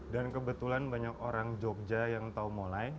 dan kebetulan banyak orang jogja yang tahu molai